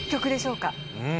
うん！